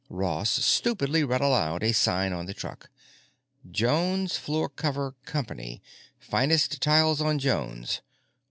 Ross stupidly read aloud a sign on the truck: "Jones Floor Cover Company. Finest Tile on Jones.